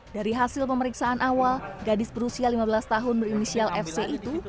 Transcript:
dari hasil pemeriksaan awal gadis berusia lima belas tahun berinisial fc itu